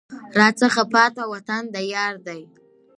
راڅخه پاته وطن د یار دی